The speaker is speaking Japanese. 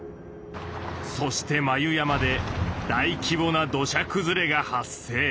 そして眉山で大規模な土砂くずれが発生。